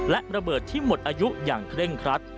และระเบิดที่หมดอายุอย่างเคร่งครัด